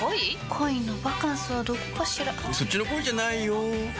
恋のバカンスはどこかしらそっちの恋じゃないよ